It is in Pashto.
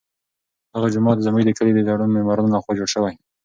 دغه جومات زموږ د کلي د زړو معمارانو لخوا جوړ شوی.